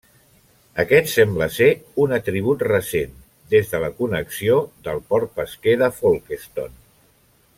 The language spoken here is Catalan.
Aquest sembla ser un atribut recent, des de la connexió del port pesquer de Folkestone.